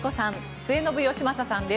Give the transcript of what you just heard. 末延吉正さんです。